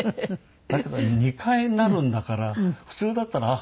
だけど２回なるんだから普通だったらあっ